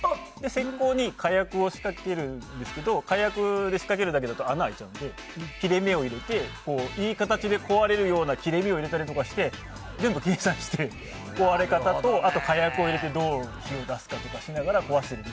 石膏に火薬を仕掛けるんですが火薬で仕掛けるだけだと穴開いちゃうのでいい形で壊れるような切れ目を入れたりして全部計算して、壊れ方とあと火薬を入れてどう火を出すかとかしながら壊してるので。